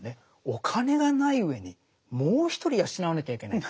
お金がないうえにもう一人養わなきゃいけない。